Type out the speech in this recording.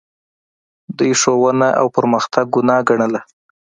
دوی ښوونه او پرمختګ ګناه ګڼله